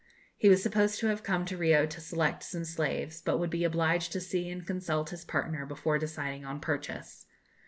He was supposed to have come to Rio to select some slaves, but would be obliged to see and consult his partner before deciding on purchase.